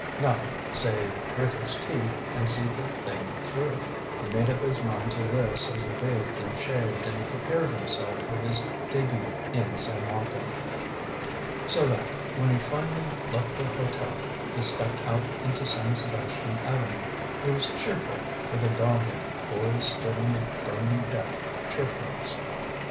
Nothing, save grit his teeth and see the thing through. He made up his mind to this as he bathed and shaved, and prepared himself for his debut in San Marco. So that, when he finally left the hotel and stepped out into San Sebastian Avenue, he was cheerful with a dogged, boy stood on the burning deck cheerfulness.